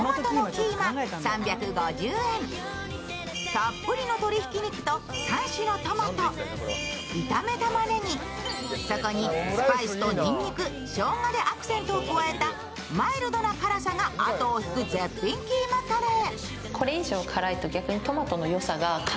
たっぷりの鶏ひき肉と３種のトマト、炒めたまねぎ、そこにスパイスとにんにく、しょうがでアクセントを加えたマイルドな辛さが後を引く絶品キーマカレー。